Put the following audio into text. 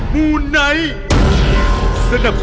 มูไนท์สนับสนุกโดย